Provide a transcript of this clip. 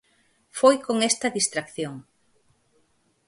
Foi con esta distracción.